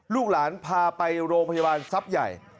ลูกหลานพาไปโรงพยาบาลทรัพย์ใหญ่